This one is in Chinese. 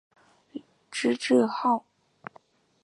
知制诰。